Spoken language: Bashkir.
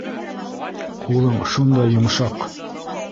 Ҡулың шундай йомшаҡ...